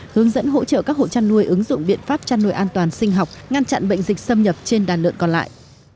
hướng dẫn hỗ trợ các hộ chăn nuôi ứng dụng biện pháp chăn nuôi an toàn sinh học ngăn chặn bệnh dịch xâm nhập trên đàn lợn còn lại